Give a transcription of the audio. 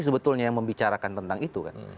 sebetulnya yang membicarakan tentang itu kan